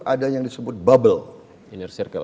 ada yang disebut bubble